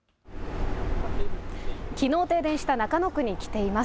きのう停電した中野区に来ています。